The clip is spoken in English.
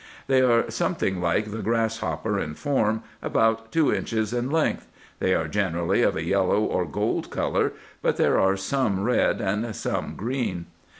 They are something like the grasshopper in form, about two inches in length. They are generally of a yellow or gold colour, but there are some red and some green.